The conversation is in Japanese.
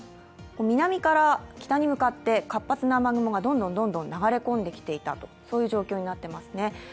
南から北に向かって活発な雨雲がどんどん流れ込んできていたという状況になっていますね。